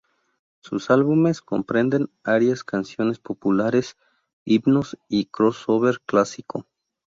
Sus álbumes comprenden: arias, canciones populares, himnos y crossover clásico.